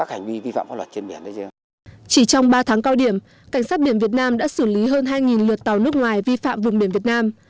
chỉ trong ba tháng cao điểm cảnh sát biển việt nam đã xử lý hơn hai lượt tàu nước ngoài vi phạm vùng biển việt nam